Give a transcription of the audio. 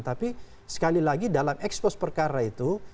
tapi sekali lagi dalam ekspos perkara itu